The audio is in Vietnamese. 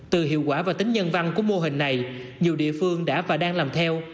từ hiệu quả và tính nhân văn của mô hình này nhiều địa phương đã và đang làm theo